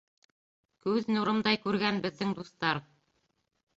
Күҙ нурымдай күргән беҙҙең дуҫтар